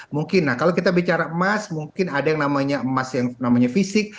mungkin nah kalau kita bicara emas mungkin ada yang namanya emas yang namanya fisik